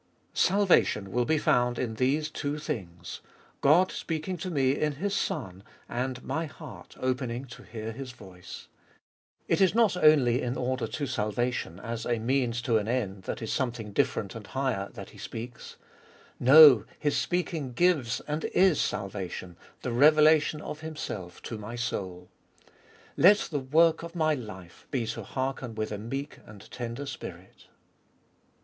1. Salvation will be found In these two things— Qod speaking to me In His Son, and my heart opening to hear His voice. It is not only in order to salvation, as a means to an end that is some thing different and higher, that He speaks. No, His speaking gives and is salvation, the reuela ton of Himself to my soul. Let the work of my life be to hearken with a meek and tender spirit.